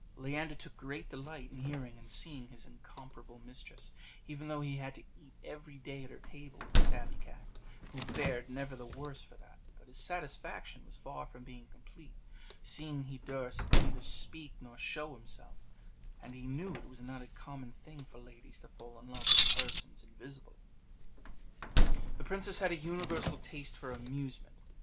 Leander took great delight in hearing and seeing his incomparable mistress; even though he had to eat every day at her table with the tabby cat, who fared never the worse for that; but his satisfaction was far from being complete, seeing he durst neither speak nor show himself; and he knew it was not a common thing for ladies to fall in love with persons invisible. The princess had a universal taste for amusement.